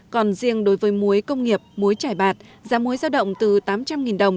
còn riêng đối với muối công nghiệp muối trải bạt giá muối giao động từ tám trăm linh đồng